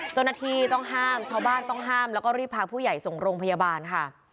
เจ้าหน้าที่ต้องห้ามชาวบ้านต้องห้ามแล้วก็รีบพาผู้ใหญ่ส่งโรงพยาบาลค่ะ